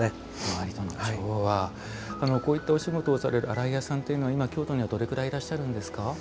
こういったお仕事をされる洗い屋さんというのは今京都にはどれくらいいらっしゃるんですか。